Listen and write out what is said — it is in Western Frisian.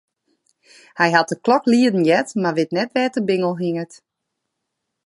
Hy hat de klok lieden heard, mar wit net wêr't de bingel hinget.